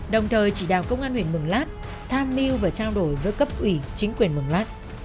đồng thời chỉ đạo công an huyện mường lát tham mưu và trao đổi với cấp ủy chính quyền mường lát